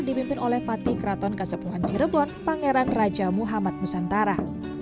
dipimpin oleh pati keraton kasepuhan cirebon pangeran raja muhammad nusantara